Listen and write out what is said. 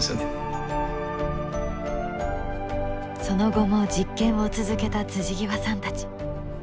その後も実験を続けた極さんたち。